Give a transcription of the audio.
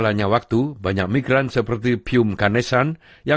saya tidak tahu bagaimana untuk membaca bahasa saya